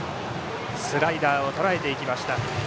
スライダーをとらえていきました。